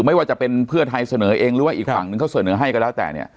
ไม่ว่าจะเป็นเพื่อไทยเสนอเองหรือว่าอีกฝั่งนึงเขาเสนอให้ก็แล้วแต่เนี่ย